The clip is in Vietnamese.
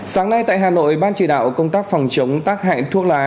sáng nay tại hà nội ban chỉ đạo công tác phòng chống tác hại thuốc lá